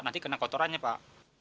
nanti kena kotorannya pak